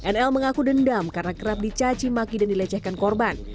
nl mengaku dendam karena kerap dicaci maki dan dilecehkan korban